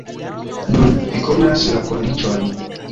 Nu, vi konas la kondiĉojn.